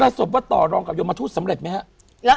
ประสบว่าต่อรองกับยมทุสสำเร็จไหมฮะ